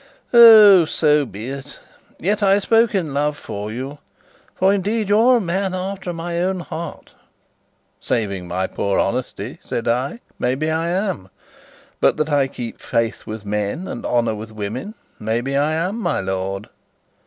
"Oh, so be it! Yet I spoke in love for you; for indeed you are a man after my own heart." "Saving my poor honesty," said I, "maybe I am. But that I keep faith with men, and honour with women, maybe I am, my lord."